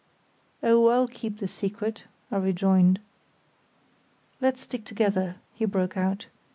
"Oh, I'll keep the secret," I rejoined. "Let's stick together," he broke out.